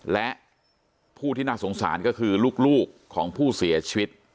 และผู้ที่น่าสงสารก็คือลูกของผู้เสียชีวิต